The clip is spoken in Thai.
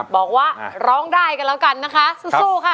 บอกว่าร้องได้กันแล้วกันนะคะสู้ค่ะ